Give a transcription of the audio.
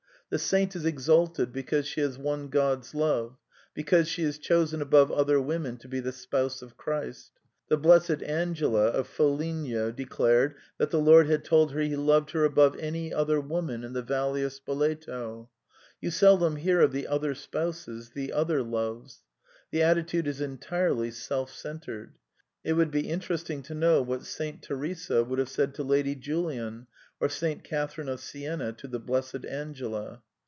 The saint is exalted because she has won God's love, because she is chosen above other women to be the Spouse of Christ. The Blessed Angela of Foligno de clared that the Lord had told her he loved her " above any other woman in the valley of Spoleto."*® You seldom hear of the other spouses, the other loves. The attitude is entirely self centred. It would be interesting to know what y/f Saint Teresa would have said to Lady Julian, or Saint Catharine of Siena to the Blessed Angela.